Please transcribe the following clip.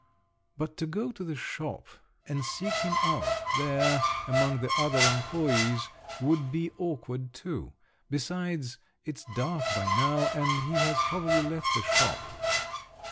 But to go to the shop, and seek him out there among the other employés, would be awkward too. Besides, it's dark by now, and he has probably left the shop."